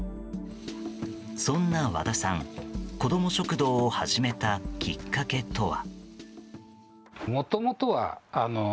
そんな和田さん、子ども食堂を始めたきっかけとは。